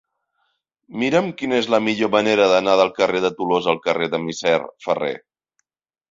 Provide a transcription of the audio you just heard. Mira'm quina és la millor manera d'anar del carrer de Tolosa al carrer del Misser Ferrer.